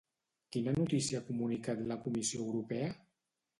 Quina notícia ha comunicat la Comissió Europea?